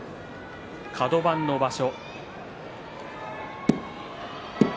カド番の場所。